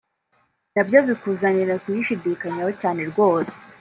na byo bikuzanira kuyishidikanyaho cyane rwose